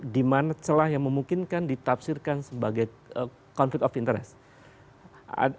di mana celah yang memungkinkan ditafsirkan sebagai conflict of interest